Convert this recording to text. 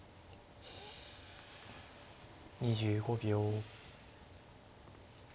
２５秒。